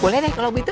boleh deh kalo gitu